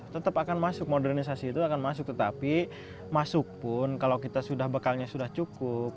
tetap akan masuk modernisasi itu akan masuk tetapi masuk pun kalau kita sudah bekalnya sudah cukup